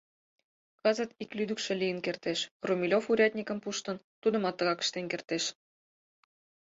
Кызыт ик лӱдыкшӧ лийын кертеш: Румелёв урядникым пуштын, тудымат тыгак ыштен кертеш.